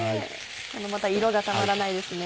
このまた色がたまらないですね。